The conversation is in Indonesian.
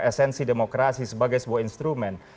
esensi demokrasi sebagai sebuah instrumen